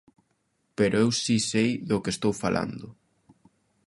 Pero eu si sei do que estou falando.